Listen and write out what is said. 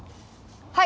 はい！